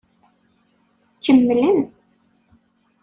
Kemmlen.